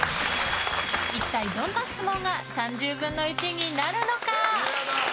一体どんな質問が３０分の１になるのか？